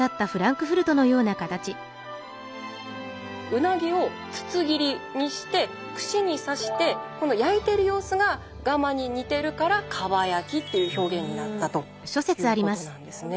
うなぎを筒切りにして串にさして焼いてる様子が蒲に似てるから蒲焼きっていう表現になったということなんですね。